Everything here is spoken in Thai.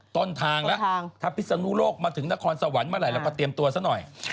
ต้นทางแล้วถ้าพิศนุโลกมาถึงนครสวรรค์เมื่อไหร่เราก็เตรียมตัวซะหน่อย